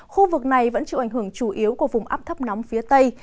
khu vực này vẫn chịu ảnh hưởng chủ yếu của vùng áp thấp nóng phía tây